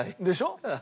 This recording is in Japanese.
でしょ？